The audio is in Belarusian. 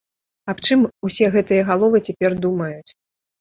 Аб чым усе гэтыя галовы цяпер думаюць.